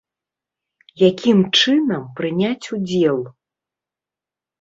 Якім чынам прыняць удзел?